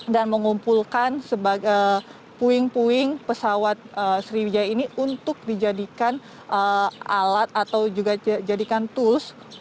dan mengumpulkan puing puing pesawat sriwijaya ini untuk dijadikan alat atau juga jadikan tools